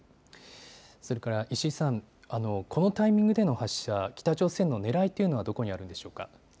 それから石井さん、このタイミングでの発射、北朝鮮のねらいというのはどこにあるんでしょうか。